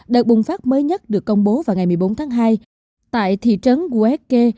đợt bùng phát mới nhất được công bố vào ngày một mươi bốn tháng hai tại thị trấn uekke